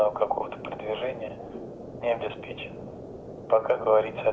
menjawab ultimatum rusia menuntut penyerahan kota mariupol presiden zelensky mengatakan